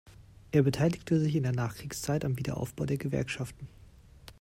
Er beteiligte sich in der Nachkriegszeit am Wiederaufbau der Gewerkschaften.